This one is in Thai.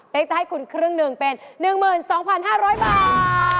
เป๊กจะให้คุณครึ่งหนึ่งเป็น๑๒๕๐๐บาทโอ้โฮขอบคุณค่ะ